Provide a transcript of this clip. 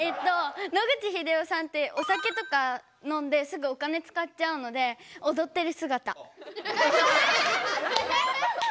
野口英世さんってお酒とかのんですぐお金つかっちゃうのでおどってるすがた。